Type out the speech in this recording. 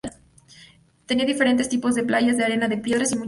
Tiene diferentes tipos de playas, de arena de piedras, y muchas calas.